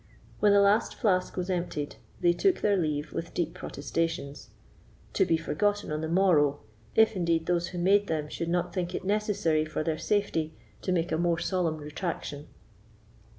When the last flask was emptied, they took their leave with deep protestations—to be forgotten on the morrow, if, indeed, those who made them should not think it necessary for their safety to make a more solemn retractation.